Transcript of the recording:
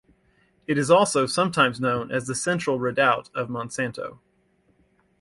It is also sometimes known as the Central Redoubt of Monsanto.